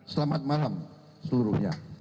selamat malam seluruhnya